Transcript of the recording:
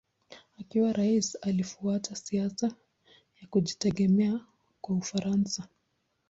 Akiwa rais alifuata siasa ya kujitegemea kwa Ufaransa.